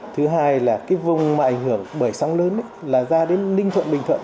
thứ hai là cái vùng mà ảnh hưởng bởi sóng lớn là ra đến ninh thuận bình thuận